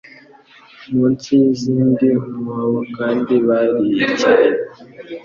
munsi yizindi mwobo kandi bariye cyane